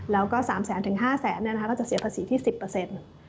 แล้วก็สามแสนถึงห้าแสนเราจะเสียภาษีที่สิบเปอร์เซ็นต์